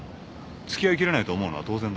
つきあいきれないと思うのは当然だろ。